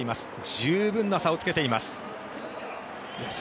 十分な差をつけています。